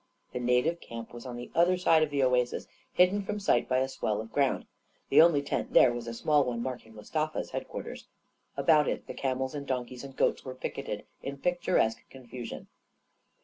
The native camp was on the other side of the oasis, hidden from sight by a swell of ground. The only tent there was a small one marking Mustafa's headquarters. About it the camels and donkeys and goats were picketed in picturesque confusion.